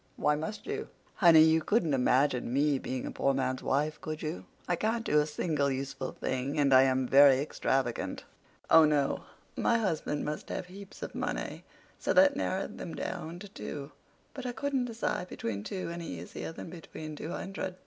"Why must you?" "Honey, you couldn't imagine me being a poor man's wife, could you? I can't do a single useful thing, and I am very extravagant. Oh, no, my husband must have heaps of money. So that narrowed them down to two. But I couldn't decide between two any easier than between two hundred.